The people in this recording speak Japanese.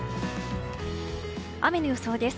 雨の予想です。